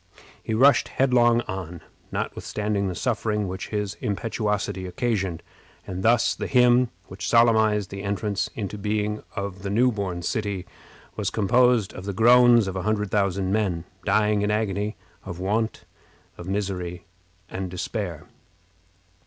He rushed headlong on, notwithstanding the suffering which his impetuosity occasioned, and thus the hymn which solemnized the entrance into being of the new born city was composed of the groans of a hundred thousand men, dying in agony, of want, misery, and despair.